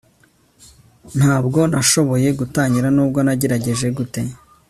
ntabwo nashoboye gutangira nubwo nagerageje gute